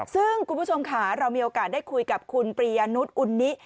ซึ่งคุณผู้ชมค่ะเรามีโอกาสได้คุยกับคุณปริยนุษย์อุณนิ